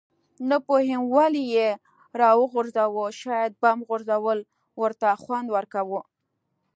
نه پوهېږم ولې یې راوغورځاوه، شاید بم غورځول ورته خوند ورکاوه.